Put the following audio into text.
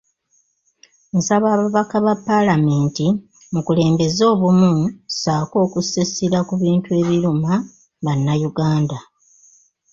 Nsaba ababaka ba paalamenti mukulembeze obumu ssaako okussa essira ku bintu ebiruma Bannayuganda .